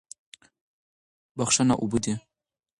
بښنه اوبه دي.